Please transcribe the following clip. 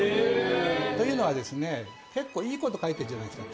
というのは結構いいこと書いてるじゃないですか。